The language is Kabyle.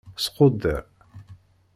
Squdder.